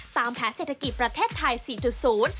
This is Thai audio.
ตามแผนเศรษฐกิจประเทศไทย๔๐